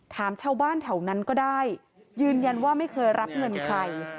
ถามชาวบ้านแถวนั้นก็ได้ยืนยันว่าไม่เคยรับเงินใคร